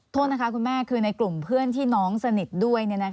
โทษนะคะคุณแม่คือในกลุ่มเพื่อนที่น้องสนิทด้วย